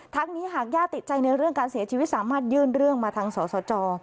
นี้หากญาติติดใจในเรื่องการเสียชีวิตสามารถยื่นเรื่องมาทางสสจ